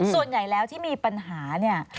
ส่วนใหญ่ที่มีปัญหา